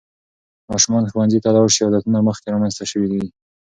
ماشومان ښوونځي ته لاړ شي، عادتونه مخکې رامنځته شوي وي.